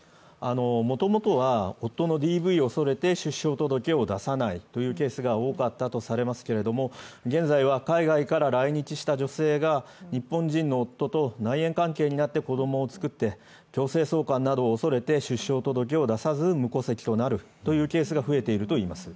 もともとは夫のＤＶを恐れて出生届を出さないというケースが多かったとされますけど、現在は海外から来日した女性が日本人の夫と内縁関係になって子供を作って強制送還などを恐れて出生届を出さず無戸籍となるというケースが増えているといいます。